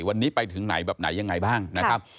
วันนี้ไปถึงไหนแบบไหนยังไงบ้างนะครับ